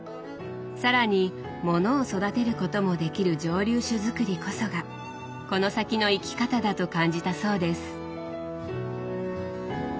更にものを育てることもできる蒸留酒づくりこそがこの先の生き方だと感じたそうです。